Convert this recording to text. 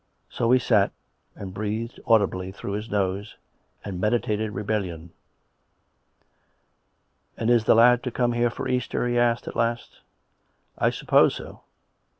So he sat and breathed audibly through his nose, and meditated rebellion. " And is the lad to come here for Easter? " he asked at last. " I suppose so."